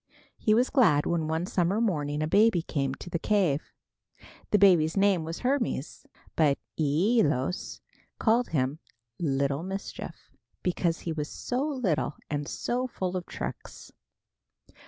He was glad when one summer morning a baby came to the cave. The baby's name was Hermes, but Æolus called him "Little Mischief," because he was so little and so full of tricks.